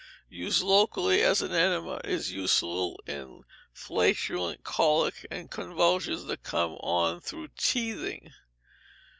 Used locally as an enema, it is useful in flatulent colic, and convulsions that come on through teething.